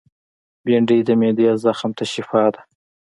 بېنډۍ د معدې زخم ته شفاء ده